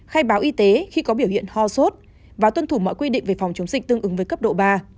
khai báo y tế khi có biểu hiện ho sốt và tuân thủ mọi quy định về phòng chống dịch tương ứng với cấp độ ba